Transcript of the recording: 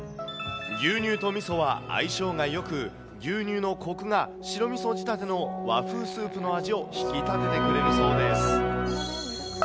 牛乳とみそは相性がよく、牛乳のこくが白みそ仕立ての和風スープの味を引き立ててくれるそうです。